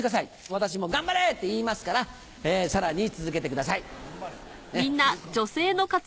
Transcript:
私も「頑張れ！」って言いますからさらに続けてください。